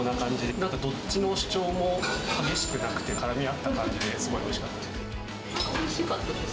なんかどっちの主張も激しくなくて、からみ合った感じで、すごいおいしかったです。